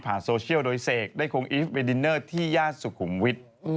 โซเชียลโดยเสกได้คงอีฟไปดินเนอร์ที่ย่านสุขุมวิทย์